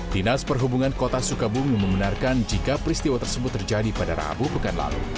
dinas perhubungan kota sukabumi membenarkan jika peristiwa tersebut terjadi pada rabu pekan lalu